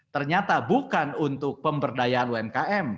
ternyata bukan untuk pemberdayaan umkm